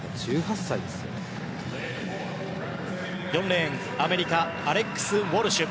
４レーン、アメリカのアレックス・ウォルシュ。